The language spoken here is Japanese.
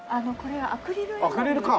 アクリルか。